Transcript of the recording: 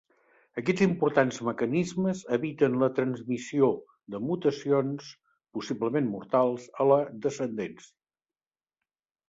Aquests importants mecanismes eviten la transmissió de mutacions possiblement mortals a la descendència.